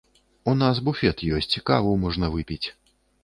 У нас буфет ёсць, каву можна выпіць.